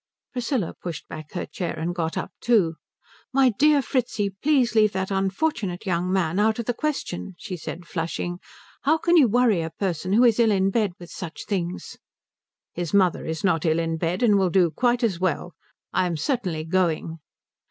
Priscilla pushed back her chair and got up too. "My dear Fritzi, please leave that unfortunate young man out of the question," she said, flushing. "How can you worry a person who is ill in bed with such things?" "His mother is not ill in bed and will do quite as well. I am certainly going."